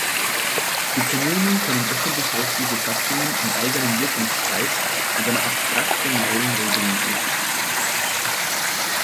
Die Kommunen können öffentlich-rechtliche Satzungen im eigenen Wirkungskreis mit einer abstrakt generellen Regelung erlassen.